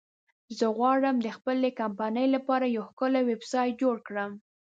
زه غواړم د خپلې کمپنی لپاره یو ښکلی ویبسایټ جوړ کړم